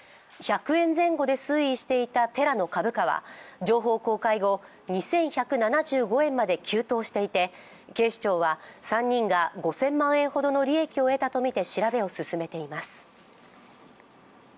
１００円前後で推移していたテラの株価は情報公開後、２１７５円まで急騰していて警視庁は３人が５０００万円ほどの利益を得たとみて調べを進めています。